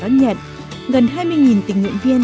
đón nhận gần hai mươi tình nguyện viên